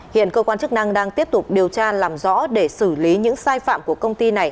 hiện cơ quan chức năng đang tiếp tục điều tra làm rõ để xử lý những sai phạm của công ty này